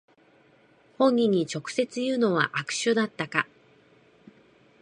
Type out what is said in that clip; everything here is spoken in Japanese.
本人に直接言うのは悪手だったか